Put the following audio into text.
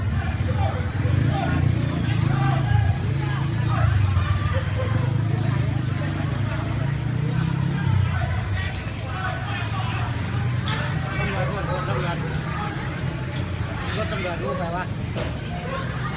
สังเกิดทำงานอีกครั้งหนึ่งกระเบิดสุดท้ายรอบสุดจากข้าวทราบ